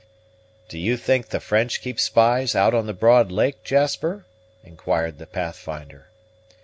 "Do you think the French keep spies out on the broad lake, Jasper?" inquired the Pathfinder.